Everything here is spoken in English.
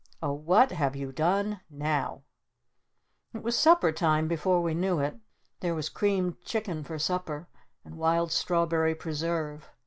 Oh, what have you done now?" It was Supper Time before we knew it. There was creamed chicken for supper. And wild strawberry preserve.